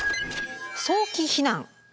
早期避難。